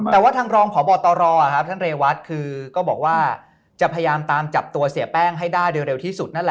แต่ว่าทางรองพบตรท่านเรวัตคือก็บอกว่าจะพยายามตามจับตัวเสียแป้งให้ได้โดยเร็วที่สุดนั่นแหละ